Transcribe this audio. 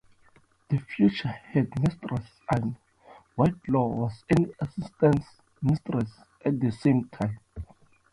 The future headmistress Annie Whitelaw was an assistant mistress at the same time.